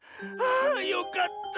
あよかった。